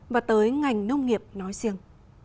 và tới ngành nông nghiệp nói riêng